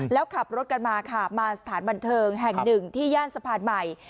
แล้วขับรถกันมาค่ะมาสถานบันเทิงแห่งหนึ่งที่ย่านสะพานใหม่